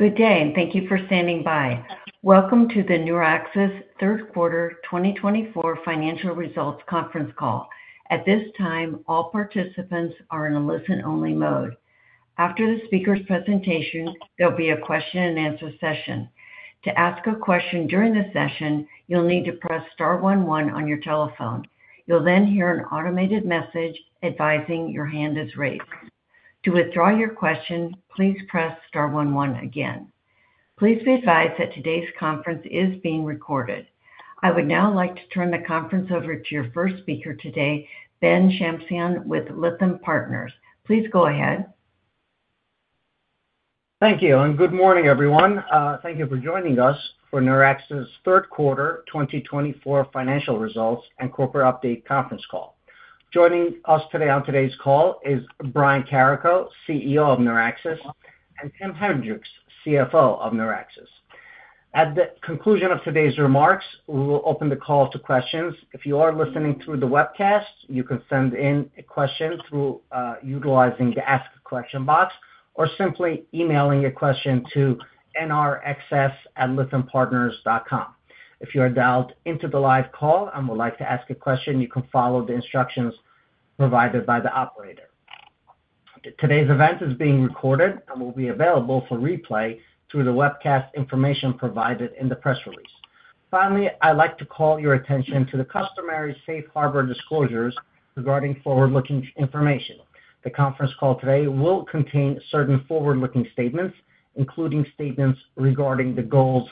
Today, and thank you for standing by. Welcome to the NeurAxis Q3 2024 Financial Results Conference Call. At this time, all participants are in a listen-only mode. After the speaker's presentation, there will be a question-and-answer session. To ask a question during the session, you'll need to press star one one on your telephone. You'll then hear an automated message advising your hand is raised. To withdraw your question, please press star one one again. Please be advised that today's conference is being recorded. I would now like to turn the conference over to your first speaker today, Ben Shamsian with Lytham Partners. Please go ahead. Thank you, and good morning, everyone. Thank you for joining us for NeurAxis Q3 2024 Financial Results and Corporate Update Conference Call. Joining us today on today's call is Brian Carrico, CEO of NeurAxis, and Tim Henrichs, CFO of NeurAxis. At the conclusion of today's remarks, we will open the call to questions. If you are listening through the webcast, you can send in a question through utilizing the Ask a Question box or simply emailing your question to nrxs@lythampartners.com. If you are dialed into the live call and would like to ask a question, you can follow the instructions provided by the operator. Today's event is being recorded and will be available for replay through the webcast information provided in the press release. Finally, I'd like to call your attention to the customary safe harbor disclosures regarding forward-looking information. The conference call today will contain certain forward-looking statements, including statements regarding the goals,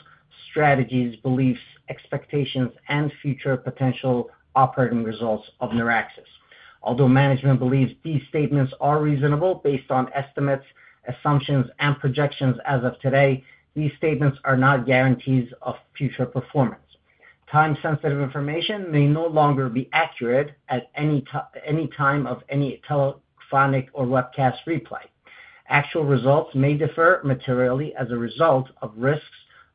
strategies, beliefs, expectations, and future potential operating results of NeurAxis. Although management believes these statements are reasonable based on estimates, assumptions, and projections as of today, these statements are not guarantees of future performance. Time-sensitive information may no longer be accurate at any time of any telephonic or webcast replay. Actual results may differ materially as a result of risks,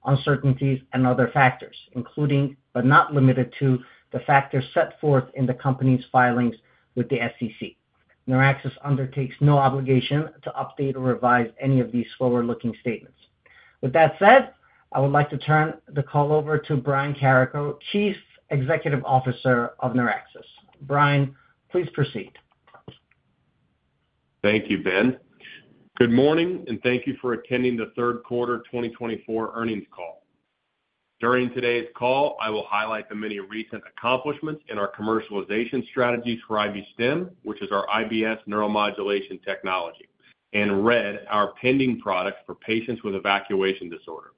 uncertainties, and other factors, including, but not limited to, the factors set forth in the company's filings with the SEC. NeurAxis undertakes no obligation to update or revise any of these forward-looking statements. With that said, I would like to turn the call over to Brian Carrico, Chief Executive Officer of NeurAxis. Brian, please proceed. Thank you, Ben. Good morning, and thank you for attending the Q3 2024 earnings call. During today's call, I will highlight the many recent accomplishments in our commercialization strategies for IB-Stim, which is our IBS neuromodulation technology, and RED, our pending product for patients with evacuation disorder.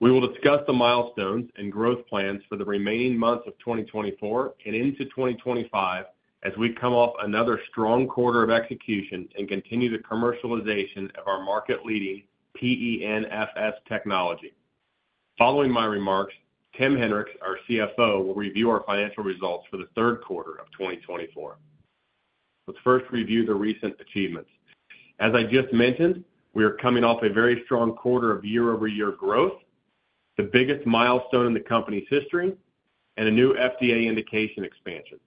We will discuss the milestones and growth plans for the remaining months of 2024 and into 2025 as we come off another strong quarter of execution and continue the commercialization of our market-leading PENFS technology. Following my remarks, Tim Henrichs, our CFO, will review our financial results for the Q3 of 2024. Let's first review the recent achievements. As I just mentioned, we are coming off a very strong quarter of year-over-year growth, the biggest milestone in the company's history, and a new FDA indication expansion.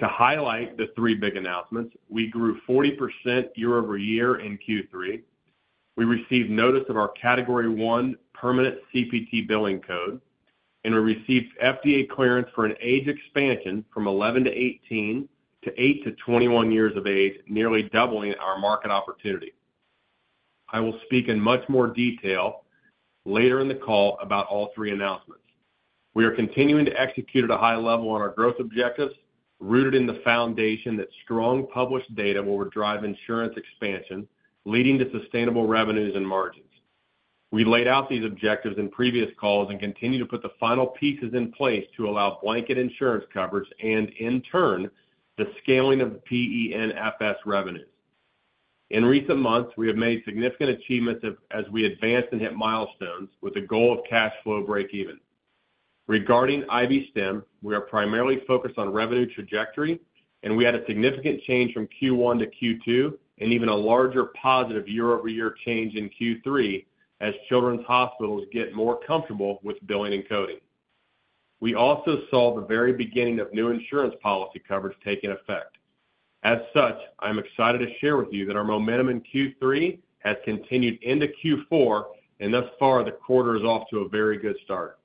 To highlight the three big announcements, we grew 40% year-over-year in Q3. We received notice of our Category 1 permanent CPT Billing Code, and we received FDA clearance for an age expansion from 11 to 18 to eight to 21 years of age, nearly doubling our market opportunity. I will speak in much more detail later in the call about all three announcements. We are continuing to execute at a high level on our growth objectives, rooted in the foundation that strong published data will drive insurance expansion, leading to sustainable revenues and margins. We laid out these objectives in previous calls and continue to put the final pieces in place to allow blanket insurance coverage and, in turn, the scaling of PENFS revenues. In recent months, we have made significant achievements as we advanced and hit milestones with the goal of cash flow break-even. Regarding IB-Stim, we are primarily focused on revenue trajectory, and we had a significant change from Q1 to Q2 and even a larger positive year-over-year change in Q3 as children's hospitals get more comfortable with billing and coding. We also saw the very beginning of new insurance policy coverage take effect. As such, I'm excited to share with you that our momentum in Q3 has continued into Q4, and thus far, the quarter is off to a very good start.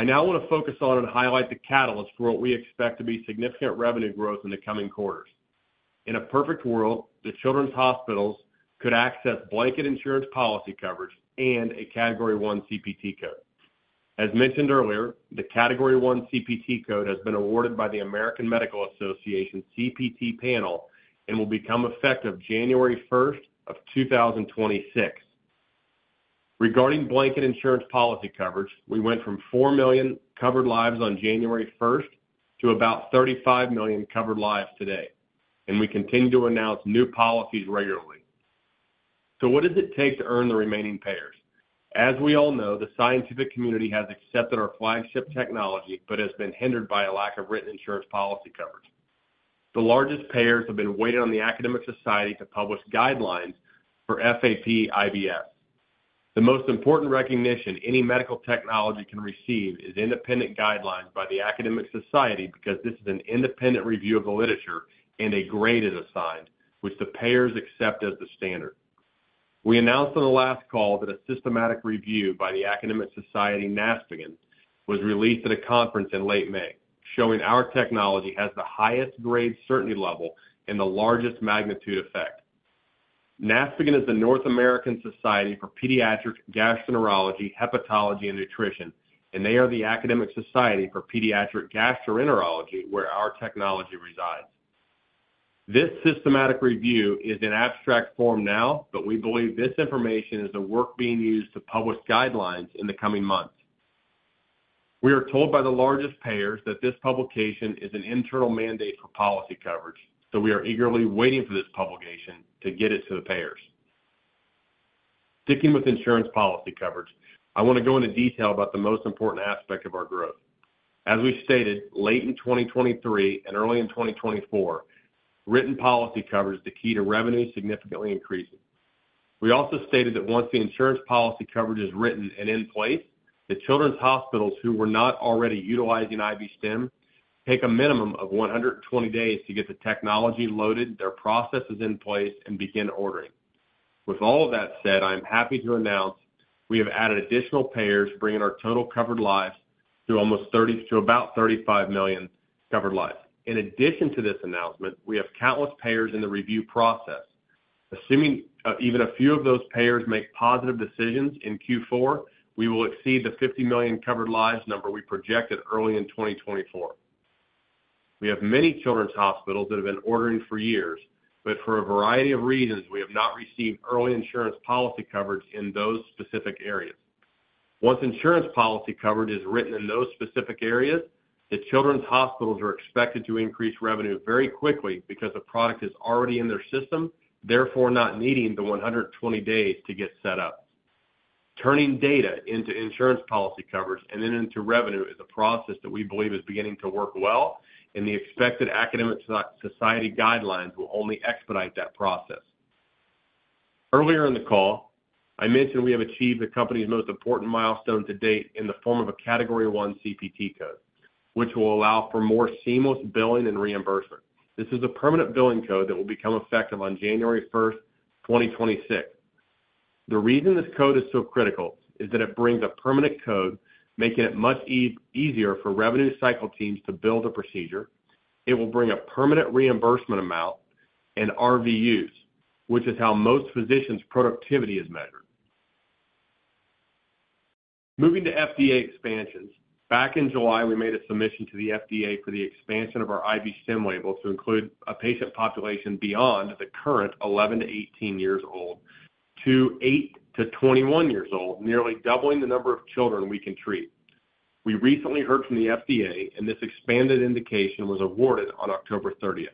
I now want to focus on and highlight the catalyst for what we expect to be significant revenue growth in the coming quarters. In a perfect world, the children's hospitals could access blanket insurance policy coverage and a Category 1 CPT Code. As mentioned earlier, the Category 1 CPT Code has been awarded by the American Medical Association CPT panel and will become effective January 1, 2026. Regarding blanket insurance policy coverage, we went from 4 million covered lives on January 1st to about 35 million covered lives today, and we continue to announce new policies regularly. So what does it take to earn the remaining payers? As we all know, the scientific community has accepted our flagship technology but has been hindered by a lack of written insurance policy coverage. The largest payers have been waiting on the academic society to publish guidelines for FAP IBS. The most important recognition any medical technology can receive is independent guidelines by the academic society because this is an independent review of the literature and a grade is assigned, which the payers accept as the standard. We announced on the last call that a systematic review by the academic society NASPGHAN was released at a conference in late May, showing our technology has the highest grade certainty level and the largest magnitude effect. NASPGHAN is the North American Society for Pediatric Gastroenterology, Hepatology, and Nutrition, and they are the academic society for Pediatric Gastroenterology where our technology resides. This systematic review is in abstract form now, but we believe this information is the work being used to publish guidelines in the coming months. We are told by the largest payers that this publication is an internal mandate for policy coverage, so we are eagerly waiting for this publication to get it to the payers. Sticking with insurance policy coverage, I want to go into detail about the most important aspect of our growth. As we stated, late in 2023 and early in 2024, written policy coverage is the key to revenues significantly increasing. We also stated that once the insurance policy coverage is written and in place, the children's hospitals who were not already utilizing IB-Stim take a minimum of 120 days to get the technology loaded, their processes in place, and begin ordering. With all of that said, I'm happy to announce we have added additional payers bringing our total covered lives to almost 30 to about 35 million covered lives. In addition to this announcement, we have countless payers in the review process. Assuming even a few of those payers make positive decisions in Q4, we will exceed the 50 million covered lives number we projected early in 2024. We have many children's hospitals that have been ordering for years, but for a variety of reasons, we have not received early insurance policy coverage in those specific areas. Once insurance policy coverage is written in those specific areas, the children's hospitals are expected to increase revenue very quickly because the product is already in their system, therefore not needing the 120 days to get set up. Turning data into insurance policy coverage and then into revenue is a process that we believe is beginning to work well, and the expected academic society guidelines will only expedite that process. Earlier in the call, I mentioned we have achieved the company's most important milestone to date in the form of a Category 1 CPT Code, which will allow for more seamless billing and reimbursement. This is a permanent billing code that will become effective on January 1, 2026. The reason this code is so critical is that it brings a permanent code, making it much easier for revenue cycle teams to bill the procedure. It will bring a permanent reimbursement amount and RVUs, which is how most physicians' productivity is measured. Moving to FDA expansions, back in July, we made a submission to the FDA for the expansion of our IB-Stim label to include a patient population beyond the current 11 to 18 years old to 8 to 21 years old, nearly doubling the number of children we can treat. We recently heard from the FDA, and this expanded indication was awarded on October 30th.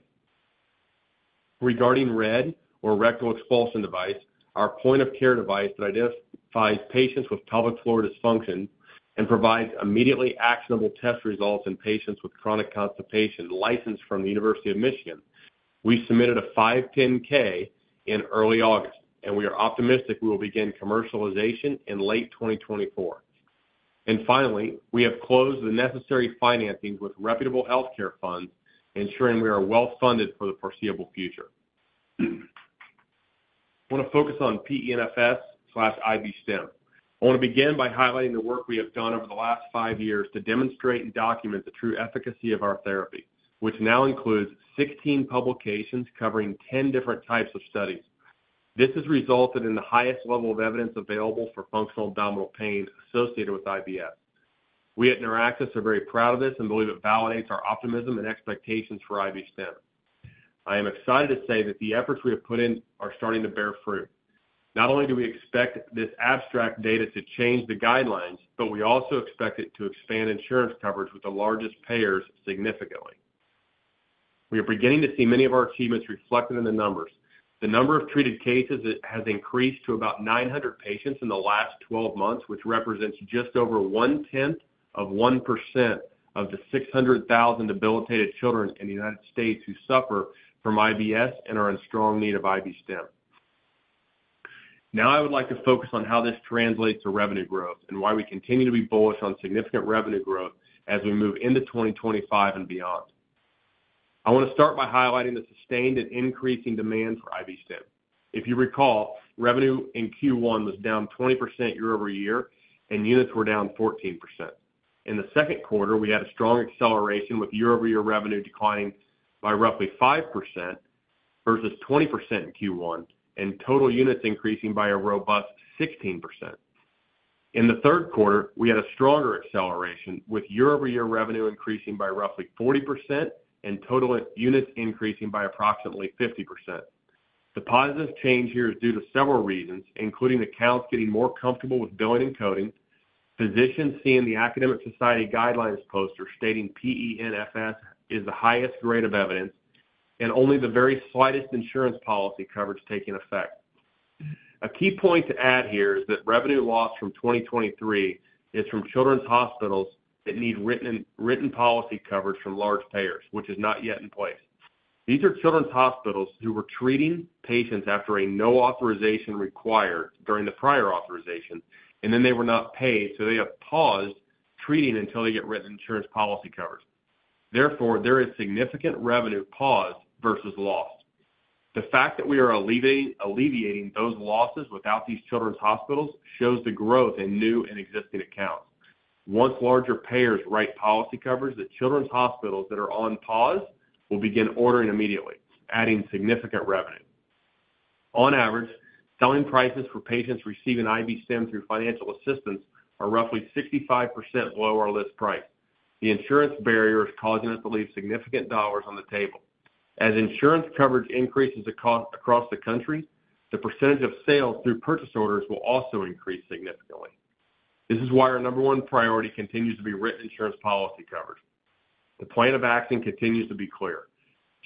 Regarding RED, or rectal expulsion device, our point-of-care device that identifies patients with pelvic floor dysfunction and provides immediately actionable test results in patients with chronic constipation licensed from the University of Michigan. We submitted a 510(k) in early August, and we are optimistic we will begin commercialization in late 2024. And finally, we have closed the necessary financing with reputable healthcare funds, ensuring we are well-funded for the foreseeable future. I want to focus on PENFS/IB-Stim. I want to begin by highlighting the work we have done over the last five years to demonstrate and document the true efficacy of our therapy, which now includes 16 publications covering 10 different types of studies. This has resulted in the highest level of evidence available for functional abdominal pain associated with IBS. We at NeurAxis are very proud of this and believe it validates our optimism and expectations for IB-Stim. I am excited to say that the efforts we have put in are starting to bear fruit. Not only do we expect this abstract data to change the guidelines, but we also expect it to expand insurance coverage with the largest payers significantly. We are beginning to see many of our achievements reflected in the numbers. The number of treated cases has increased to about 900 patients in the last 12 months, which represents just over 1/10 of 1% of the 600,000 debilitated children in the United States who suffer from IBS and are in strong need of IB-Stim. Now, I would like to focus on how this translates to revenue growth and why we continue to be bullish on significant revenue growth as we move into 2025 and beyond. I want to start by highlighting the sustained and increasing demand for IB-Stim. If you recall, revenue in Q1 was down 20% year-over-year, and units were down 14%. In the Q2, we had a strong acceleration with year-over-year revenue declining by roughly 5% versus 20% in Q1 and total units increasing by a robust 16%. In the Q3, we had a stronger acceleration with year-over-year revenue increasing by roughly 40% and total units increasing by approximately 50%. The positive change here is due to several reasons, including accounts getting more comfortable with billing and coding, physicians seeing the academic society guidelines poster stating PENFS is the highest grade of evidence, and only the very slightest insurance policy coverage taking effect. A key point to add here is that revenue loss from 2023 is from children's hospitals that need written policy coverage from large payers, which is not yet in place. These are children's hospitals who were treating patients after a no authorization required during the prior authorization, and then they were not paid, so they have paused treating until they get written insurance policy coverage. Therefore, there is significant revenue paused versus lost. The fact that we are alleviating those losses without these children's hospitals shows the growth in new and existing accounts. Once larger payers write policy covers, the children's hospitals that are on pause will begin ordering immediately, adding significant revenue. On average, selling prices for patients receiving IB-Stim through financial assistance are roughly 65% below our list price. The insurance barrier is causing us to leave significant dollars on the table. As insurance coverage increases across the country, the percentage of sales through purchase orders will also increase significantly. This is why our number one priority continues to be written insurance policy coverage. The plan of action continues to be clear.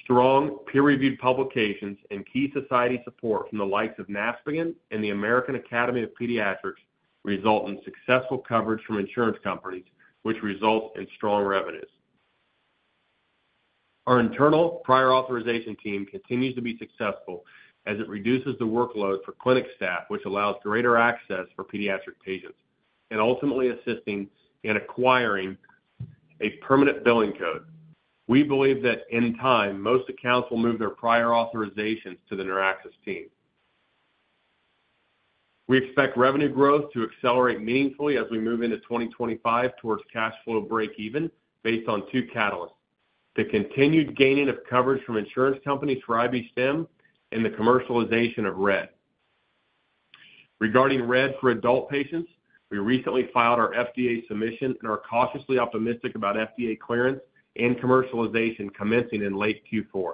Strong, peer-reviewed publications and key society support from the likes of NASPGHAN and the American Academy of Pediatrics result in successful coverage from insurance companies, which results in strong revenues. Our internal prior authorization team continues to be successful as it reduces the workload for clinic staff, which allows greater access for pediatric patients and ultimately assisting in acquiring a permanent billing code. We believe that in time, most accounts will move their prior authorizations to the NeurAxis team. We expect revenue growth to accelerate meaningfully as we move into 2025 towards cash flow break-even based on two catalysts: the continued gaining of coverage from insurance companies for IB-Stim and the commercialization of RED. Regarding RED for adult patients, we recently filed our FDA submission and are cautiously optimistic about FDA clearance and commercialization commencing in late Q4.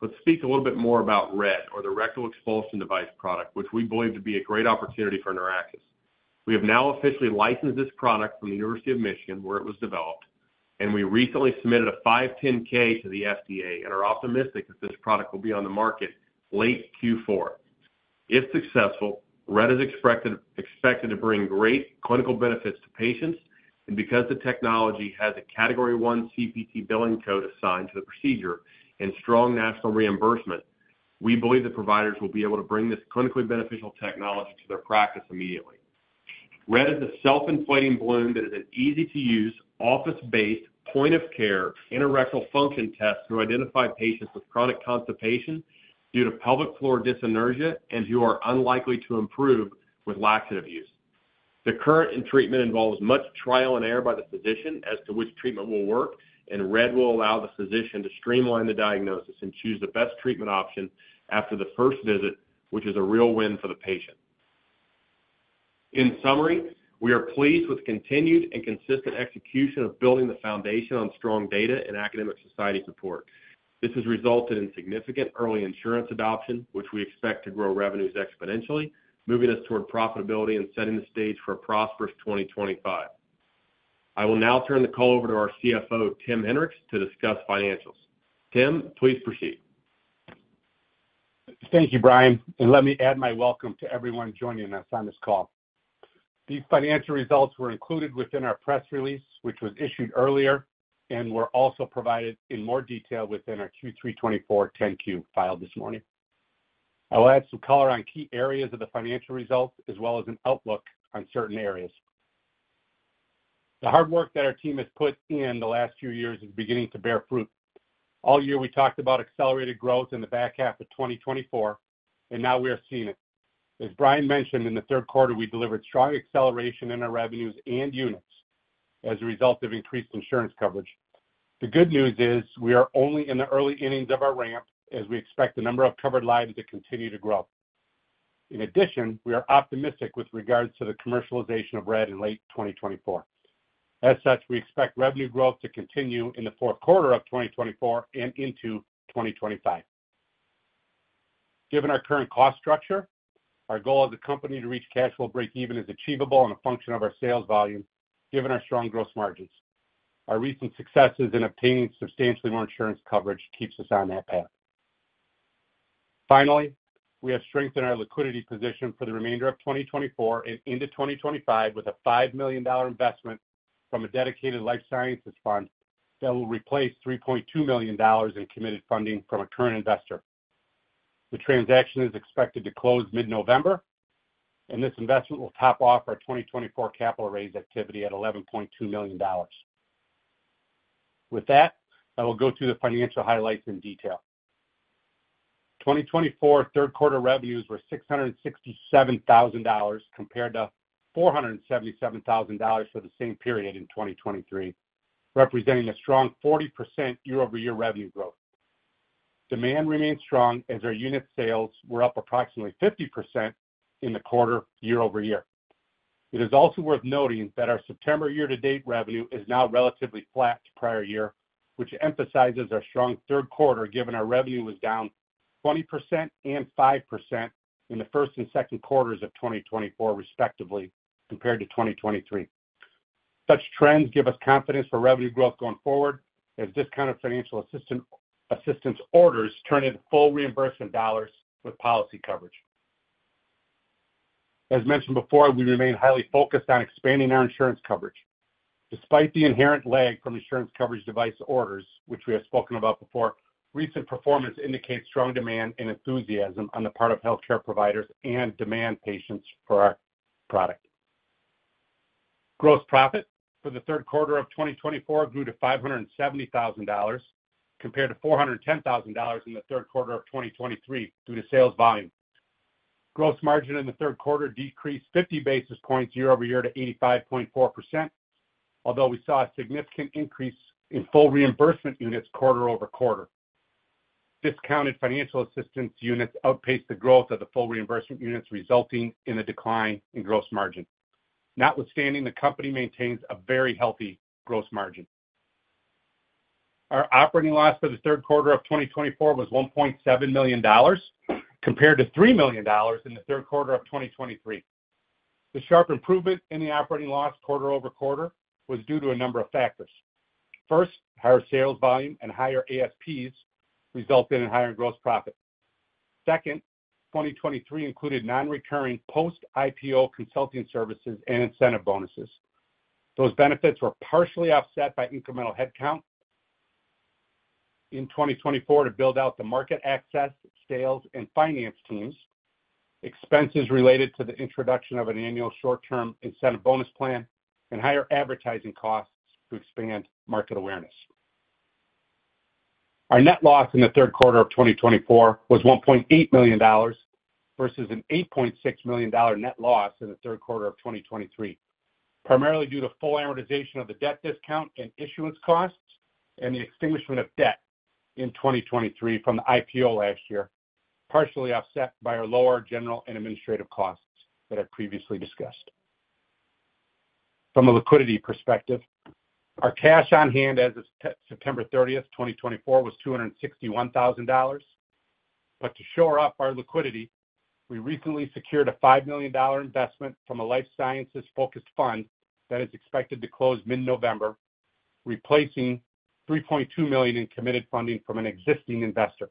Let's speak a little bit more about RED, or the rectal expulsion device product, which we believe to be a great opportunity for NeurAxis. We have now officially licensed this product from the University of Michigan where it was developed, and we recently submitted a 510(k) to the FDA and are optimistic that this product will be on the market late Q4. If successful, RED is expected to bring great clinical benefits to patients, and because the technology has a Category 1 CPT billing code assigned to the procedure and strong national reimbursement, we believe the providers will be able to bring this clinically beneficial technology to their practice immediately. RED is a self-inflating balloon that is an easy-to-use office-based point-of-care anorectal function test to identify patients with chronic constipation due to pelvic floor dyssynergia and who are unlikely to improve with laxative use. The current treatment involves much trial and error by the physician as to which treatment will work, and RED will allow the physician to streamline the diagnosis and choose the best treatment option after the first visit, which is a real win for the patient. In summary, we are pleased with continued and consistent execution of building the foundation on strong data and academic society support. This has resulted in significant early insurance adoption, which we expect to grow revenues exponentially, moving us toward profitability and setting the stage for a prosperous 2025. I will now turn the call over to our CFO, Tim Henrichs, to discuss financials. Tim, please proceed. Thank you, Brian, and let me add my welcome to everyone joining us on this call. These financial results were included within our press release, which was issued earlier, and were also provided in more detail within our Q3 2024 10-Q file this morning. I will add some color on key areas of the financial results as well as an outlook on certain areas. The hard work that our team has put in the last few years is beginning to bear fruit. All year, we talked about accelerated growth in the back half of 2024, and now we are seeing it. As Brian mentioned, in the Q3, we delivered strong acceleration in our revenues and units as a result of increased insurance coverage. The good news is we are only in the early innings of our ramp as we expect the number of covered lives to continue to grow. In addition, we are optimistic with regards to the commercialization of RED in late 2024. As such, we expect revenue growth to continue in the Q4 of 2024 and into 2025. Given our current cost structure, our goal as a company to reach cash flow break-even is achievable and a function of our sales volume given our strong gross margins. Our recent successes in obtaining substantially more insurance coverage keeps us on that path. Finally, we have strengthened our liquidity position for the remainder of 2024 and into 2025 with a $5 million investment from a dedicated life sciences fund that will replace $3.2 million in committed funding from a current investor. The transaction is expected to close mid-November, and this investment will top off our 2024 capital raise activity at $11.2 million. With that, I will go through the financial highlights in detail. 2024 Q3 revenues were $667,000 compared to $477,000 for the same period in 2023, representing a strong 40% year-over-year revenue growth. Demand remained strong as our unit sales were up approximately 50% in the quarter year-over-year. It is also worth noting that our September year-to-date revenue is now relatively flat to prior year, which emphasizes our strong Q3 given our revenue was down 20% and 5% in the Q1 and Q2s of 2024 respectively compared to 2023. Such trends give us confidence for revenue growth going forward as discounted financial assistance orders turn into full reimbursement dollars with policy coverage. As mentioned before, we remain highly focused on expanding our insurance coverage. Despite the inherent lag from insurance coverage device orders, which we have spoken about before, recent performance indicates strong demand and enthusiasm on the part of healthcare providers and patients for our product. Gross profit for the Q3 of 2024 grew to $570,000 compared to $410,000 in the Q3 of 2023 due to sales volume. Gross margin in the Q3 decreased 50 basis points year-over-year to 85.4%, although we saw a significant increase in full reimbursement units quarter over quarter. Discounted financial assistance units outpaced the growth of the full reimbursement units, resulting in a decline in gross margin. Notwithstanding, the company maintains a very healthy gross margin. Our operating loss for the Q3 of 2024 was $1.7 million compared to $3 million in the Q3 of 2023. The sharp improvement in the operating loss quarter over quarter was due to a number of factors. First, higher sales volume and higher AFPs resulted in higher gross profit. Second, 2023 included non-recurring post-IPO consulting services and incentive bonuses. Those benefits were partially offset by incremental headcount in 2024 to build out the market access, sales, and finance teams, expenses related to the introduction of an annual short-term incentive bonus plan, and higher advertising costs to expand market awareness. Our net loss in the Q3 of 2024 was $1.8 million versus an $8.6 million net loss in the Q3 of 2023, primarily due to full amortization of the debt discount and issuance costs and the extinguishment of debt in 2023 from the IPO last year, partially offset by our lower general and administrative costs that I previously discussed. From a liquidity perspective, our cash on hand as of September 30th, 2024, was $261,000. But to shore up our liquidity, we recently secured a $5 million investment from a life sciences-focused fund that is expected to close mid-November, replacing $3.2 million in committed funding from an existing investor.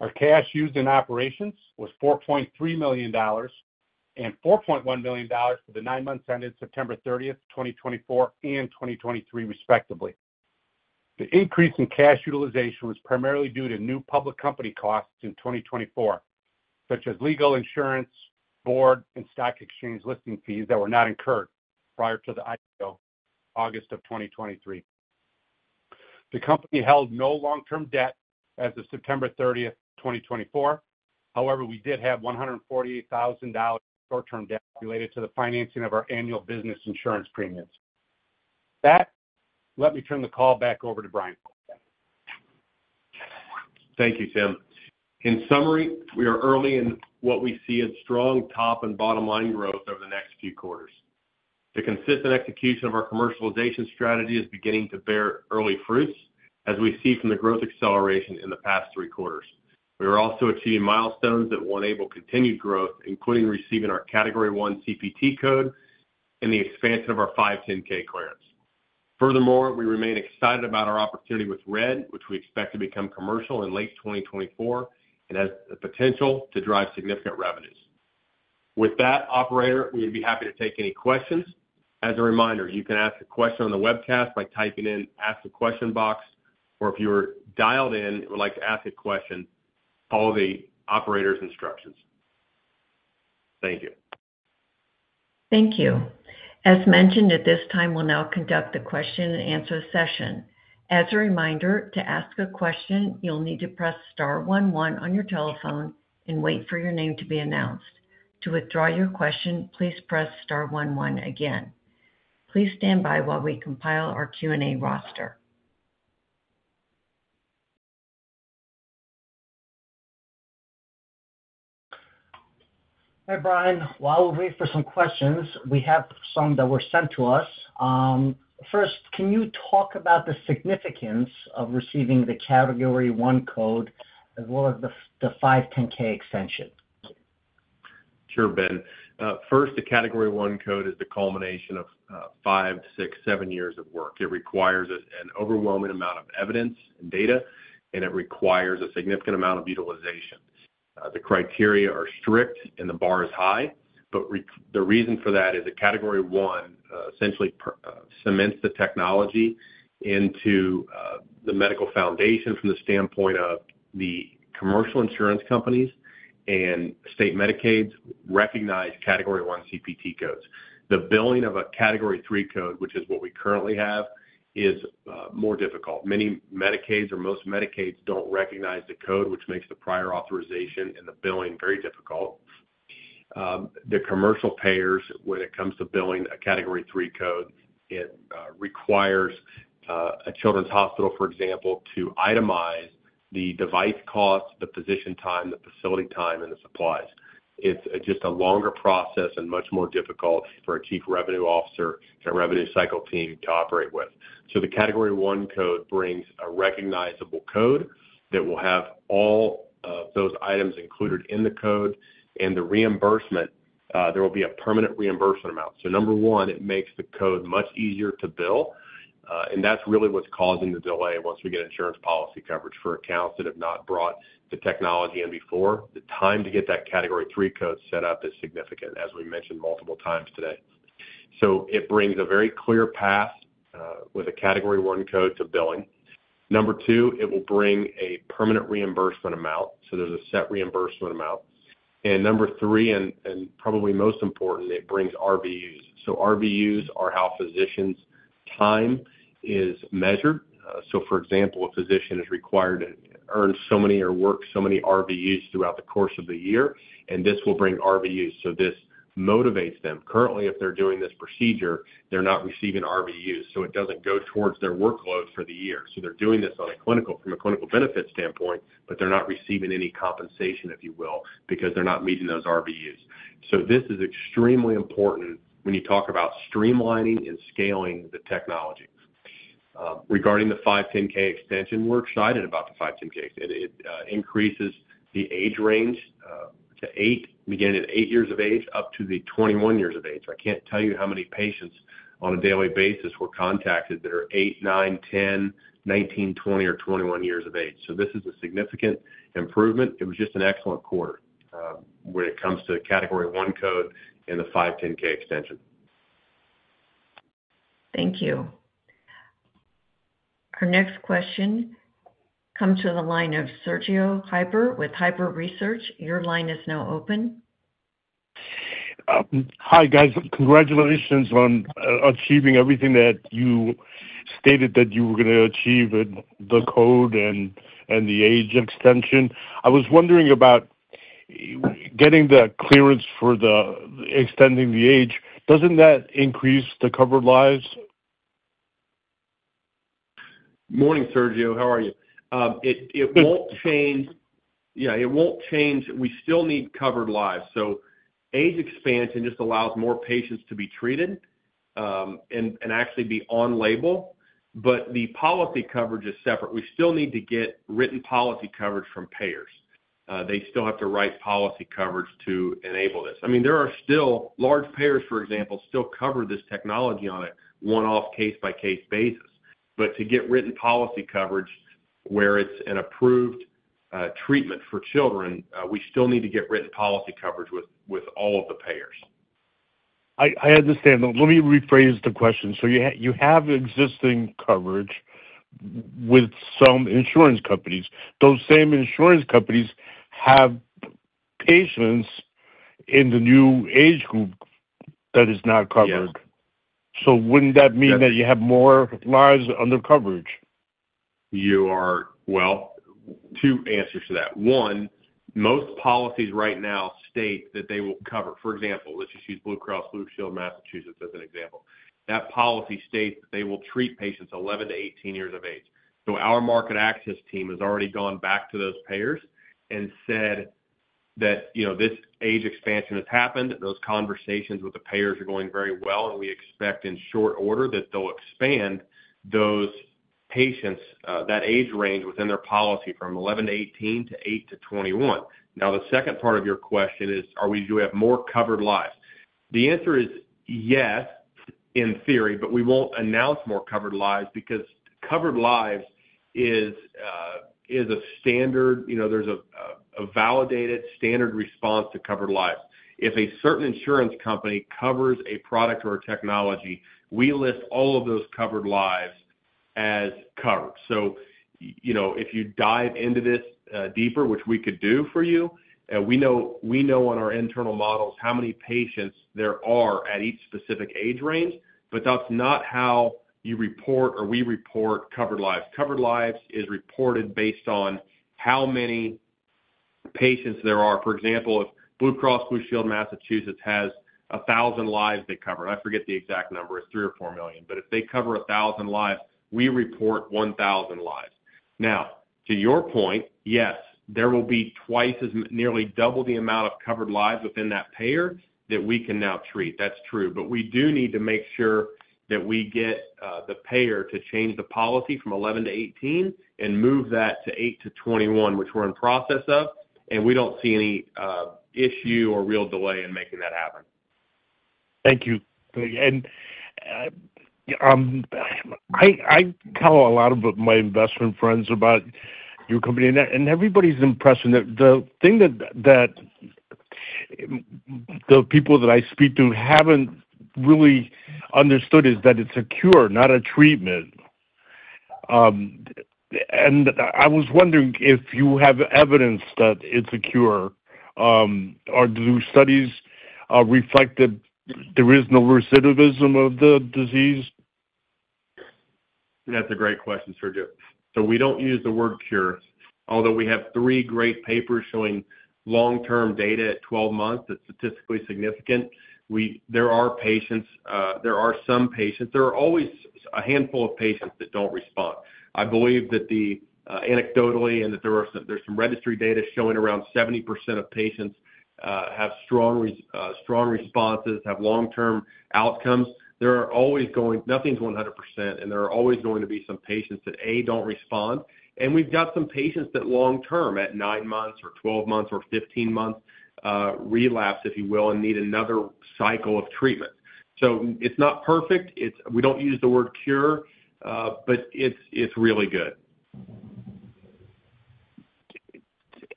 Our cash used in operations was $4.3 million and $4.1 million for the nine months ended September 30th, 2024 and 2023 respectively. The increase in cash utilization was primarily due to new public company costs in 2024, such as legal insurance, board, and stock exchange listing fees that were not incurred prior to the IPO August of 2023. The company held no long-term debt as of September 30th, 2024. However, we did have $148,000 short-term debt related to the financing of our annual business insurance premiums. That. Let me turn the call back over to Brian. Thank you, Tim. In summary, we are early in what we see as strong top and bottom line growth over the next few quarters. The consistent execution of our commercialization strategy is beginning to bear early fruits as we see from the growth acceleration in the past three quarters. We are also achieving milestones that will enable continued growth, including receiving our Category 1 CPT Code and the expansion of our 510(k) clearance. Furthermore, we remain excited about our opportunity with RED, which we expect to become commercial in late 2024 and has the potential to drive significant revenues. With that, operator, we would be happy to take any questions. As a reminder, you can ask a question on the webcast by typing in Ask a Question box, or if you are dialed in and would like to ask a question, follow the operator's instructions. Thank you. Thank you. As mentioned, at this time, we'll now conduct the question-and-answer session. As a reminder, to ask a question, you'll need to press star one one on your telephone and wait for your name to be announced. To withdraw your question, please press star one one again. Please stand by while we compile our Q&A roster. Hi, Brian. While we wait for some questions, we have some that were sent to us. First, can you talk about the significance of receiving the Category 1 code as well as the 510(k) extension? Sure, Ben. First, the Category 1 code is the culmination of five, six, seven years of work. It requires an overwhelming amount of evidence and data, and it requires a significant amount of utilization. The criteria are strict and the bar is high, but the reason for that is that Category 1 essentially cements the technology into the medical foundation from the standpoint of the commercial insurance companies and state Medicaids recognized Category 1 CPT codes. The billing of a Category 3 code, which is what we currently have, is more difficult. Many Medicaids or most Medicaids don't recognize the code, which makes the prior authorization and the billing very difficult. The commercial payers, when it comes to billing a Category 3 code, requires a children's hospital, for example, to itemize the device cost, the physician time, the facility time, and the supplies. It's just a longer process and much more difficult for a chief revenue officer and revenue cycle team to operate with. So the Category 1 code brings a recognizable code that will have all of those items included in the code, and the reimbursement, there will be a permanent reimbursement amount. So number one, it makes the code much easier to bill, and that's really what's causing the delay once we get insurance policy coverage for accounts that have not brought the technology in before. The time to get that Category 3 code set up is significant, as we mentioned multiple times today. So it brings a very clear path with a Category 1 code to billing. Number two, it will bring a permanent reimbursement amount, so there's a set reimbursement amount. And number three, and probably most important, it brings RVUs. So RVUs are how physicians' time is measured. For example, a physician is required to earn so many or work so many RVUs throughout the course of the year, and this will bring RVUs. This motivates them. Currently, if they're doing this procedure, they're not receiving RVUs, so it doesn't go towards their workload for the year. They're doing this from a clinical benefit standpoint, but they're not receiving any compensation, if you will, because they're not meeting those RVUs. This is extremely important when you talk about streamlining and scaling the technology. Regarding the 510(k) extension, we're excited about the 510(k). It increases the age range to eight, beginning at eight years of age up to 21 years of age. I can't tell you how many patients on a daily basis we're contacted that are eight, nine, 10, 19, 20, or 21 years of age. This is a significant improvement. It was just an excellent quarter when it comes to the Category 1 code and the 510(k) extension. Thank you. Our next question comes from the line of Sergio Heiber with Heiber Research. Your line is now open. Hi, guys. Congratulations on achieving everything that you stated that you were going to achieve with the code and the age extension. I was wondering about getting the clearance for extending the age. Doesn't that increase the covered lives? Morning, Sergio. How are you? It won't change. Yeah, it won't change. We still need covered lives. So age expansion just allows more patients to be treated and actually be on label, but the policy coverage is separate. We still need to get written policy coverage from payers. They still have to write policy coverage to enable this. I mean, there are still large payers, for example, still cover this technology on a one-off case-by-case basis. But to get written policy coverage where it's an approved treatment for children, we still need to get written policy coverage with all of the payers. I understand. Let me rephrase the question. So you have existing coverage with some insurance companies. Those same insurance companies have patients in the new age group that is not covered. So wouldn't that mean that you have more lives under coverage? You're are, well, two answers to that. One, most policies right now state that they will cover. For example, let's just use Blue Cross Blue Shield of Massachusetts as an example. That policy states that they will treat patients 11 to 18 years of age. So our market access team has already gone back to those payers and said that this age expansion has happened. Those conversations with the payers are going very well, and we expect in short order that they'll expand that age range within their policy from 11 to 18 to 8 to 21. Now, the second part of your question is, do we have more covered lives? The answer is yes, in theory, but we won't announce more covered lives because covered lives is a standard. There's a validated standard response to covered lives. If a certain insurance company covers a product or a technology, we list all of those covered lives as covered. So if you dive into this deeper, which we could do for you, we know on our internal models how many patients there are at each specific age range, but that's not how you report or we report covered lives. Covered lives is reported based on how many patients there are. For example, if Blue Cross Blue Shield of Massachusetts has 1,000 lives they cover, I forget the exact number, it's three or four million, but if they cover 1,000 lives, we report 1,000 lives. Now, to your point, yes, there will be nearly double the amount of covered lives within that payer that we can now treat. That's true. But we do need to make sure that we get the payer to change the policy from 11-18 and move that to 8-21, which we're in process of, and we don't see any issue or real delay in making that happen. Thank you. And I tell a lot of my investment friends about your company, and everybody's impression. The thing that the people that I speak to haven't really understood is that it's a cure, not a treatment. And I was wondering if you have evidence that it's a cure, or do studies reflect that there is no recidivism of the disease? That's a great question, Sergio. So we don't use the word cure, although we have three great papers showing long-term data at 12 months that's statistically significant. There are some patients. There are always a handful of patients that don't respond. I believe that anecdotally and that there's some registry data showing around 70% of patients have strong responses, have long-term outcomes. Nothing's 100%, and there are always going to be some patients that, A, don't respond, and we've got some patients that long-term at 9 months or 12 months or 15 months relapse, if you will, and need another cycle of treatment. So it's not perfect. We don't use the word cure, but it's really good.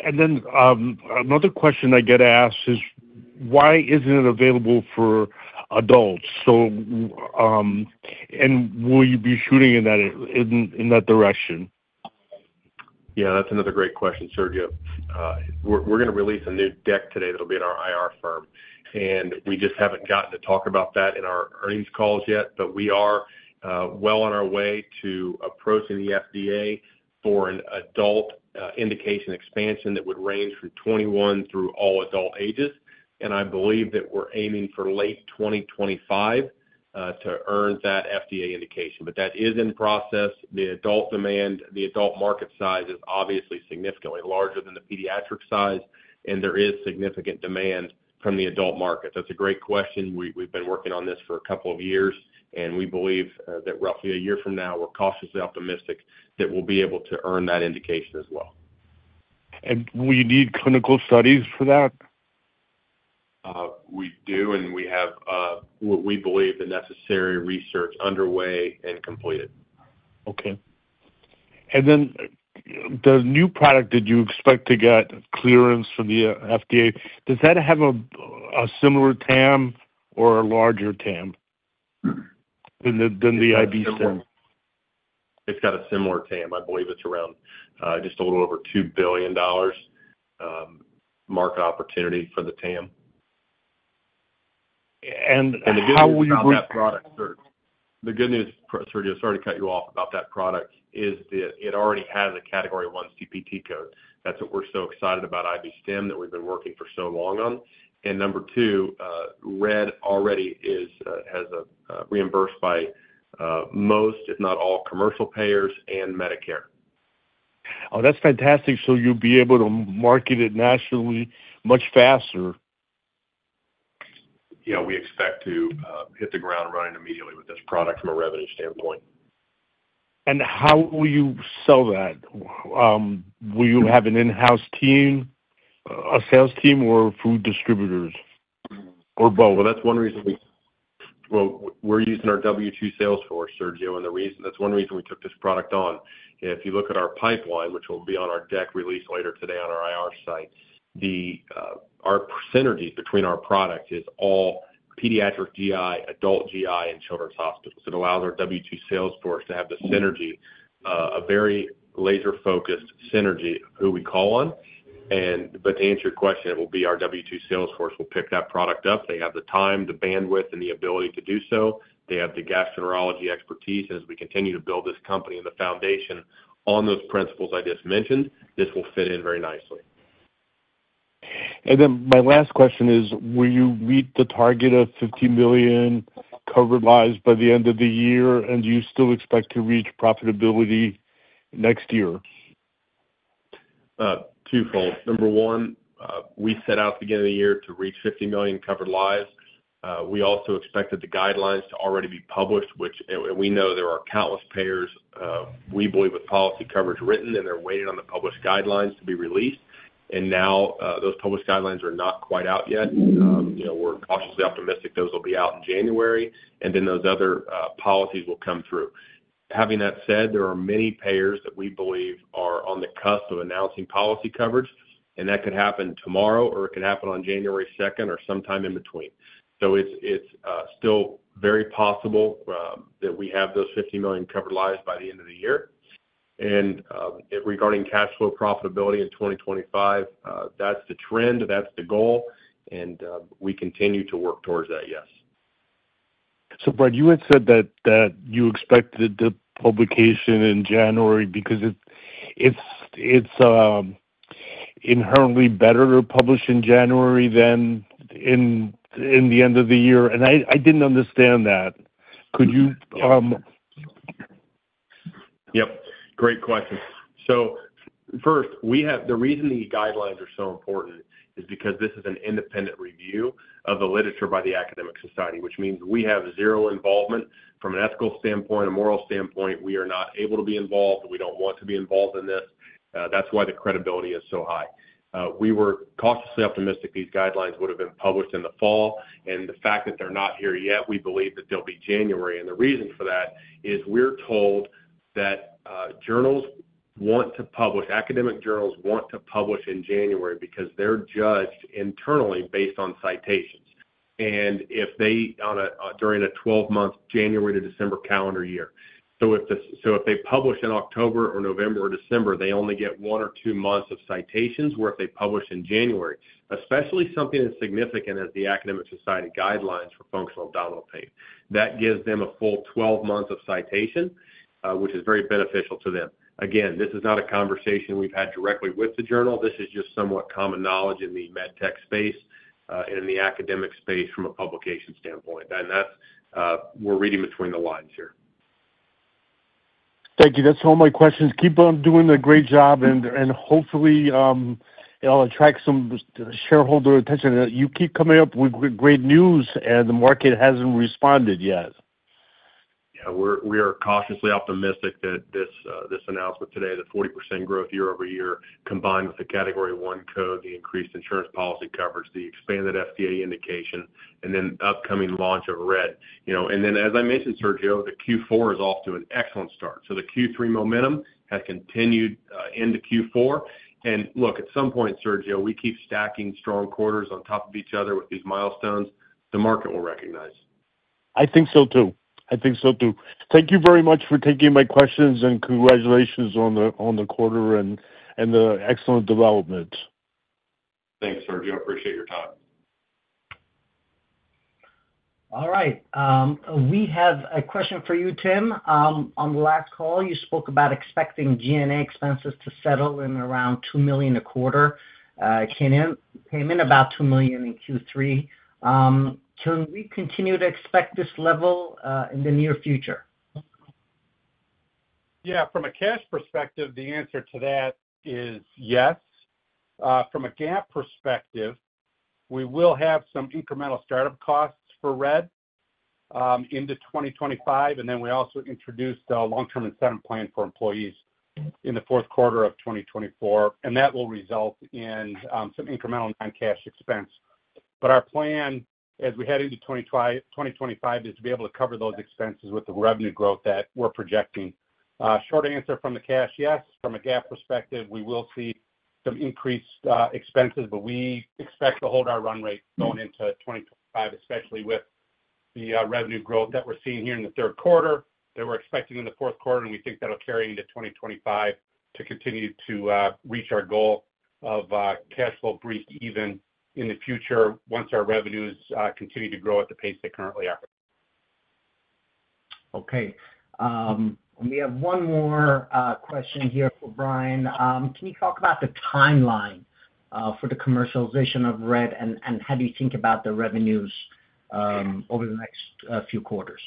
And then another question I get asked is, why isn't it available for adults? And will you be shooting in that direction? Yeah, that's another great question, Sergio. We're going to release a new deck today that'll be in our IR firm, and we just haven't gotten to talk about that in our earnings calls yet, but we are well on our way to approaching the FDA for an adult indication expansion that would range from 21 through all adult ages. I believe that we're aiming for late 2025 to earn that FDA indication, but that is in process. The adult market size is obviously significantly larger than the pediatric size, and there is significant demand from the adult market. That's a great question. We've been working on this for a couple of years, and we believe that roughly a year from now, we're cautiously optimistic that we'll be able to earn that indication as well. Will you need clinical studies for that? We do, and we have what we believe the necessary research underway and completed. Okay. And then the new product that you expect to get clearance from the FDA, does that have a similar TAM or a larger TAM than the IB-Stim? It's got a similar TAM. I believe it's around just a little over $2 billion market opportunity for the TAM. And how will you be...? The good news about that product, Sergio, sorry to cut you off about that product, is that it already has a Category 1 CPT code. That's what we're so excited about IB-Stim that we've been working for so long on. And number two, RED already has a reimbursement by most, if not all, commercial payers and Medicare. Oh, that's fantastic. So you'll be able to market it nationally much faster? Yeah, we expect to hit the ground running immediately with this product from a revenue standpoint. How will you sell that? Will you have an in-house team, a sales team, or from distributors or both? That's one reason we're using our W2 sales force, Sergio, and that's one reason we took this product on. If you look at our pipeline, which will be on our deck, released later today on our IR site, our synergy between our product is all pediatric GI, adult GI, and children's hospitals. It allows our W2 sales force to have the synergy, a very laser-focused synergy of who we call on. But to answer your question, it will be our W2 sales force will pick that product up. They have the time, the bandwidth, and the ability to do so. They have the gastroenterology expertise. And as we continue to build this company and the foundation on those principles I just mentioned, this will fit in very nicely. And then my last question is, will you meet the target of 50 million covered lives by the end of the year, and do you still expect to reach profitability next year? Twofold. Number one, we set out at the beginning of the year to reach 50 million covered lives. We also expected the guidelines to already be published, which we know there are countless payers. We believe with policy coverage written, and they're waiting on the published guidelines to be released. And now those published guidelines are not quite out yet. We're cautiously optimistic those will be out in January, and then those other policies will come through. Having that said, there are many payers that we believe are on the cusp of announcing policy coverage, and that could happen tomorrow, or it could happen on January 2nd, or sometime in between. So it's still very possible that we have those 50 million covered lives by the end of the year. And regarding cash flow profitability in 2025, that's the trend. That's the goal. We continue to work towards that, yes. But you had said that you expected the publication in January because it's inherently better to publish in January than in the end of the year. And I didn't understand that. Could you? Yep. Great question, so first, the reason these guidelines are so important is because this is an independent review of the literature by the Academic Society, which means we have zero involvement from an ethical standpoint, a moral standpoint. We are not able to be involved. We don't want to be involved in this. That's why the credibility is so high. We were cautiously optimistic these guidelines would have been published in the fall, and the fact that they're not here yet, we believe that they'll be January, and the reason for that is we're told that journals want to publish, academic journals want to publish in January because they're judged internally based on citations, and during a 12-month January to December calendar year. So if they publish in October or November or December, they only get one or two months of citations where if they publish in January, especially something as significant as the Academic Society guidelines for functional abdominal pain, that gives them a full 12 months of citation, which is very beneficial to them. Again, this is not a conversation we've had directly with the journal. This is just somewhat common knowledge in the MedTech space and in the academic space from a publication standpoint. And we're reading between the lines here. Thank you. That's all my questions. Keep on doing a great job, and hopefully, it'll attract some shareholder attention. You keep coming up with great news, and the market hasn't responded yet. Yeah, we are cautiously optimistic that this announcement today, the 40% growth year over year, combined with the Category 1 code, the increased insurance policy coverage, the expanded FDA indication, and then upcoming launch of RED, and then, as I mentioned, Sergio, the Q4 is off to an excellent start, so the Q3 momentum has continued into Q4, and look, at some point, Sergio, we keep stacking strong quarters on top of each other with these milestones, the market will recognize. I think so too. I think so too. Thank you very much for taking my questions, and congratulations on the quarter and the excellent development. Thanks, Sergio. I appreciate your time. All right. We have a question for you, Tim. On the last call, you spoke about expecting G&A expenses to settle in around $2 million a quarter payment, about $2 million in Q3. Can we continue to expect this level in the near future? Yeah. From a cash perspective, the answer to that is yes. From a GAAP perspective, we will have some incremental startup costs for RED into 2025, and then we also introduced a long-term incentive plan for employees in the Q4 of 2024, and that will result in some incremental non-cash expense. But our plan, as we head into 2025, is to be able to cover those expenses with the revenue growth that we're projecting. Short answer from the cash, yes. From a GAAP perspective, we will see some increased expenses, but we expect to hold our run rate going into 2025, especially with the revenue growth that we're seeing here in the Q3 that we're expecting in the Q4, and we think that'll carry into 2025 to continue to reach our goal of cash flow breakeven even in the future once our revenues continue to grow at the pace they currently are. Okay. We have one more question here for Brian. Can you talk about the timeline for the commercialization of RED, and how do you think about the revenues over the next few quarters?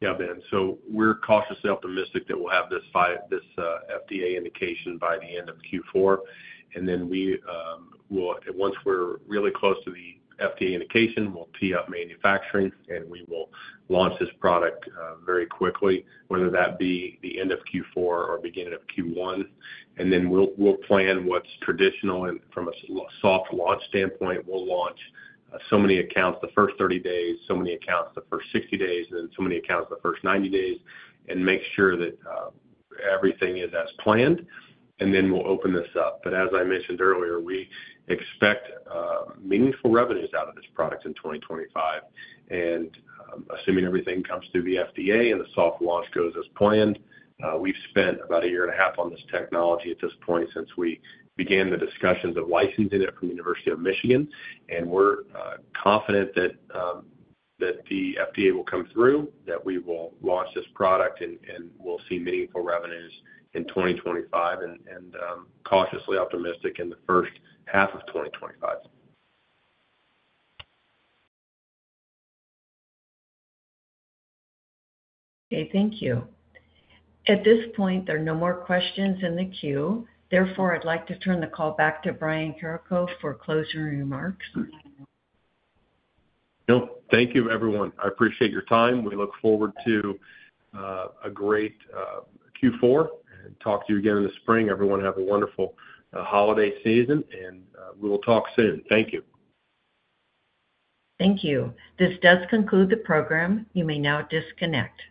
Yeah, Ben. So we're cautiously optimistic that we'll have this FDA indication by the end of Q4. And then once we're really close to the FDA indication, we'll tee up manufacturing, and we will launch this product very quickly, whether that be the end of Q4 or beginning of Q1. And then we'll plan what's traditional. From a soft launch standpoint, we'll launch so many accounts the first 30 days, so many accounts the first 60 days, and then so many accounts the first 90 days, and make sure that everything is as planned. And then we'll open this up. But as I mentioned earlier, we expect meaningful revenues out of this product in 2025. Assuming everything comes through the FDA and the soft launch goes as planned, we've spent about a year and a half on this technology at this point since we began the discussions of licensing it from the University of Michigan. We're confident that the FDA will come through, that we will launch this product, and we'll see meaningful revenues in 2025, and cautiously optimistic in the H1 of 2025. Okay. Thank you. At this point, there are no more questions in the queue. Therefore, I'd like to turn the call back to Brian Carrico for closing remarks. Thank you, everyone. I appreciate your time. We look forward to a great Q4 and talk to you again in the spring. Everyone have a wonderful holiday season, and we will talk soon. Thank you. Thank you. This does conclude the program. You may now disconnect.